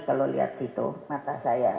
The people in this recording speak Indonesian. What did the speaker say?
kalau lihat situ mata saya